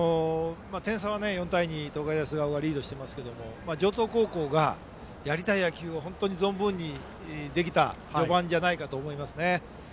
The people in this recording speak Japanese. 点差は４対２と東海大菅生がリードしていますが城東高校がやりたい野球を本当に存分にできた序盤じゃないかと思います。